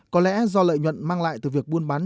có lẽ do lợi nhuận mang lại từ việc buôn bán